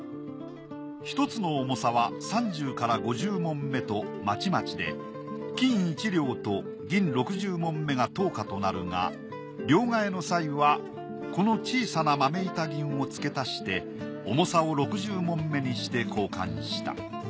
１つの重さは３０５０匁とまちまちで金１両と銀６０匁が等価となるが両替の際はこの小さな豆板銀を付け足して重さを６０匁にして交換した。